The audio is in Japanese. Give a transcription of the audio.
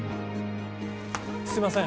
すいません